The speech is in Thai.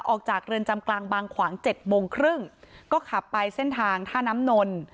ออกจากเรือนจำกลางบางขวางเจ็ดโมงครึ่งก็ขับไปเส้นทางท่าน้ำนน